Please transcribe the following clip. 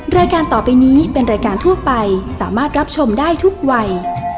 รายการต่อไปนี้เป็นรายการทั่วไปสามารถรับชมได้ทุกวัย